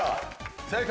正解！